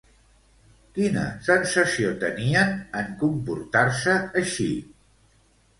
Quina sensació tenien en comportar-se així?